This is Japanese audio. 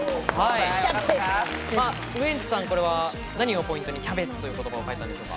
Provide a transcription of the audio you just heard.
ウエンツさん、これは何をポイントに「きゃべつ」という言葉を書いたんですか？